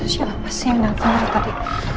siapa sih yang keluar tadi